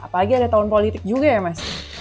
apalagi ada tahun politik juga ya mas